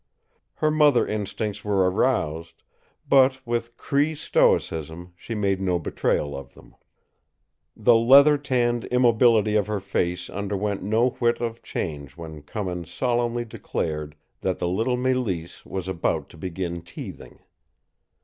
Her mother instincts were aroused, but with Cree stoicism she made no betrayal of them. The leather tanned immobility of her face underwent no whit of change when Cummins solemnly declared that the little Mélisse was about to begin teething.